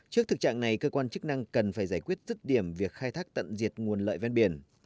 trước thực trạng này cơ quan chức năng cần phải giải quyết rứt điểm việc khai thác tận diệt nguồn lợi ven biển